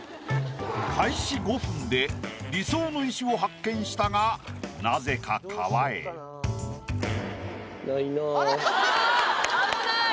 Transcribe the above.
開始５分で理想の石を発見したがあっ危ない。